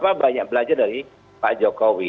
bahwa dia banyak belajar dari pak jokowi